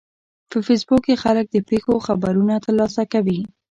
په فېسبوک کې خلک د پیښو خبرونه ترلاسه کوي